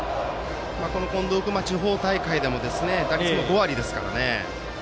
近藤君、地方大会でも打率が５割ですからね。